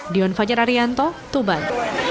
dion fajar arianto tuban